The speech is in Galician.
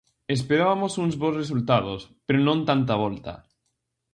Esperabamos uns bos resultados, pero non tanta volta.